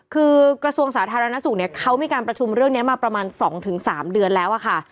คือกระทรวงสาธารณสุขเนี่ยเขามีการประชุมเรื่องนี้มาประมาณ๒๓เดือนแล้วอะค่ะ